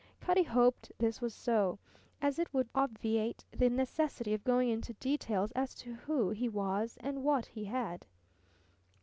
Cutty hoped this was so, as it would obviate the necessity of going into details as to who he was and what he had.